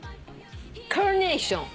カーネーション。